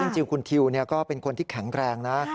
จริงคุณทิวก็เป็นคนที่แข็งแรงนะ